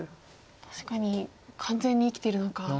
確かに完全に生きてるのか。